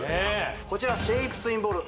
こちらシェイプツインボール